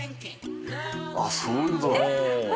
あっそういうことだえっ？